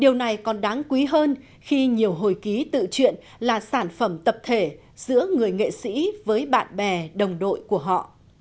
điều này còn đáng quý hơn khi nhiều hồi ký tự chuyện là sản phẩm tập thể giữa người nghệ sĩ với bạn bè đồng đội của họ